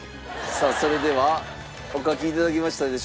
さあそれではお書き頂きましたでしょうか？